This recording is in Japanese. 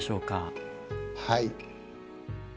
はい。